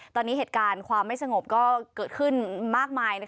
ตอนนี้เหตุการณ์สงบก็เกิดขึ้นมากมาย